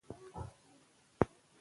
اداري نظام د شفافیت غوښتنه کوي.